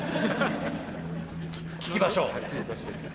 聞きましょう。